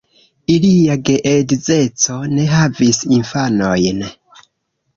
Ilia geedzeco ne havis infanojn.